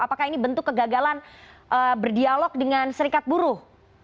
apakah ini bentuk kegagalan berdialog dengan serikat buruh